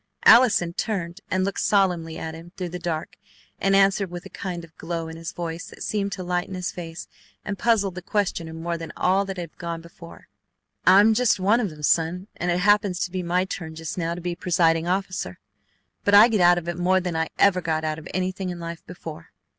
Allison turned and looked solemnly at him through the dark, and answered with a kind of glow in his voice that seemed to lighten his face and puzzled the questioner more than all that had gone before: "I'm just one of them, son, and it happens to be my turn just now to be presiding officer; but I get out of it more than I ever got out of anything in life before."